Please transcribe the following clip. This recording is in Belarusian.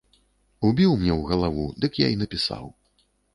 Убіў мне ў галаву, дык я і напісаў.